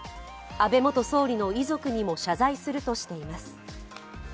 安倍元総理の遺族にも謝罪するとしています。